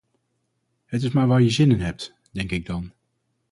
Het is maar waar je zin in hebt, denk ik dan.